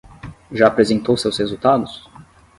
Já apresentou seus resultados?